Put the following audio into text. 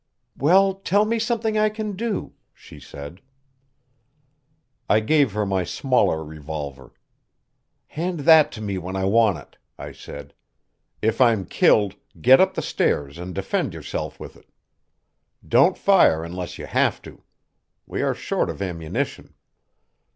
"Well, tell me something I can do," she said. I gave her my smaller revolver. "Hand that to me when I want it," I said. "If I'm killed, get up the stairs and defend yourself with it. Don't fire unless you have to. We are short of ammunition."